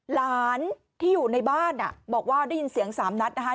หลานที่อยู่ในบ้านบอกว่าได้ยินเสียงสามนัดนะคะ